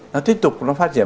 nó tiếp tục nó phát triển